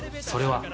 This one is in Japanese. それは。